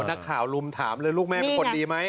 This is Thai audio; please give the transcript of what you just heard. นักข่าวลุมถามเลยลูกแม่เป็นคนดีไหม